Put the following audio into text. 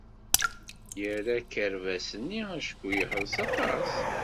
Yerra akerbas-nni acku yeḥṛes aṭas.